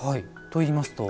といいますと？